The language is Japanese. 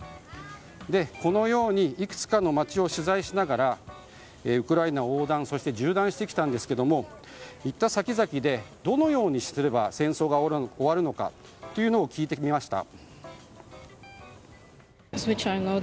このようにいくつかの街を取材しながらウクライナを横断そして縦断してきたんですけど行った先々でどのようにすれば戦争が終わるのかというのを聞いてみました。